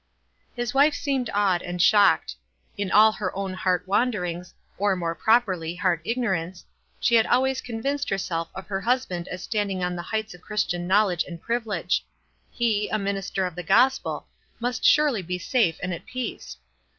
His wife seemed awed and shocked. In all her own heart wanderings, or, more properly, heart ignorance, she had always conceived of her husband as standing on the heights of Chris tian knowledge and privilege. He, a minister of the gospel, must surely be safe and at peace.